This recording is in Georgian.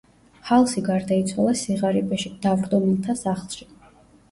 ჰალსი გარდაიცვალა სიღარიბეში, დავრდომილთა სახლში.